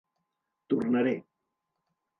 Tornaré.